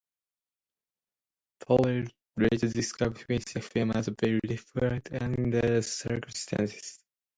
Powell later described finishing the film as "very difficult under the circumstances".